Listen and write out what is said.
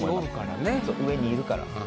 上におるからね。